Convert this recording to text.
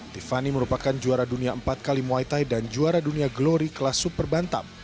tiffany merupakan juara dunia empat kali muay thai dan juara dunia glory kelas super bantam